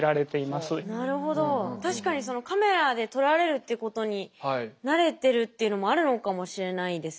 なるほど確かにカメラで撮られるっていうことに慣れてるっていうのもあるのかもしれないですね。